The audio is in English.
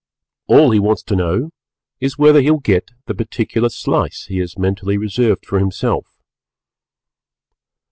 _" All he wants to know is whether he will get the particular slice he has mentally reserved for himself.